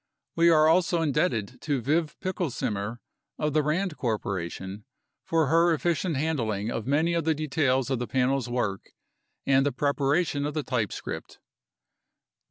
We are also indebted to Viv Pickelsimer of The Rand Corporation for her efficient handling of many of the details of the Panel's work and the preparation of the typescript.